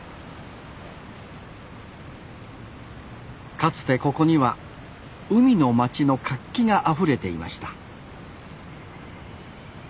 かつてここには海の町の活気があふれていました